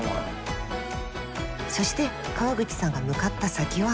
そして川口さんが向かった先は。